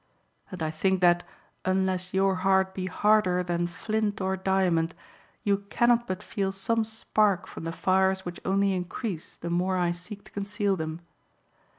And I think that, unless your heart be harder than flint or diamond, you cannot but feel some spark from the fires which only increase the more I seek to conceal them.